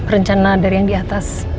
rencana dari yang diatas